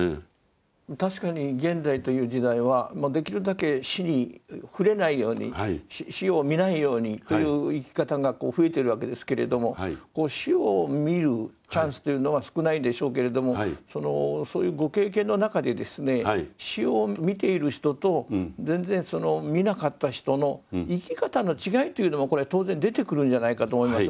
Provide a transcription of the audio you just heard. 確かに現代という時代はできるだけ死に触れないように死を見ないようにという生き方がこう増えてるわけですけれども死を見るチャンスというのは少ないでしょうけれどもそのそういうご経験の中でですね死を見ている人と全然見なかった人の生き方の違いというのもこれは当然出てくるんじゃないかと思いますが。